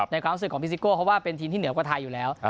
ความรู้สึกของพี่ซิโก้เพราะว่าเป็นทีมที่เหนือกว่าไทยอยู่แล้ว